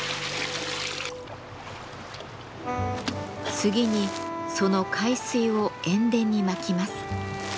次にその海水を塩田にまきます。